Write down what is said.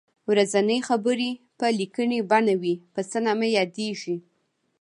ورځنۍ خبرې په لیکنۍ بڼه وي په څه نامه یادیږي.